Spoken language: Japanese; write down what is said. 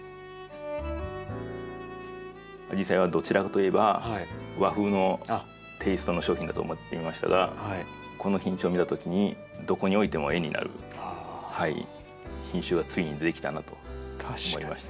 アジサイはどちらかといえば和風のテイストの商品だと思っていましたがこの品種を見たときにどこに置いても絵になる品種がついに出来たなと思いました。